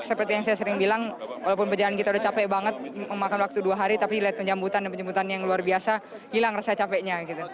seperti yang saya sering bilang walaupun perjalanan kita udah capek banget memakan waktu dua hari tapi lihat penjemputan dan penjemputan yang luar biasa hilang rasa capeknya